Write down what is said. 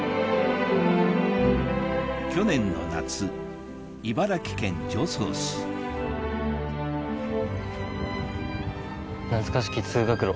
去年の夏懐かしき通学路。